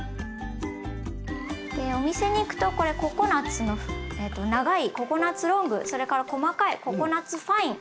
お店に行くとこれココナツの長いココナツロングそれから細かいココナツファイン。